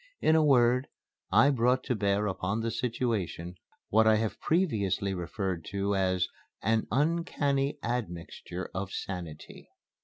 In a word, I brought to bear upon the situation what I have previously referred to as "an uncanny admixture of sanity."